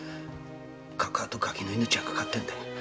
カカアとガキの命がかかってるんだ。